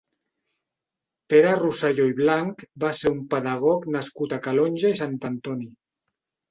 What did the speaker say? Pere Rosselló i Blanch va ser un pedagog nascut a Calonge i Sant Antoni.